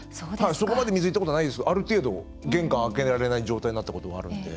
そこまで水いったことないですがある程度玄関開けられない状態になったこともあるので。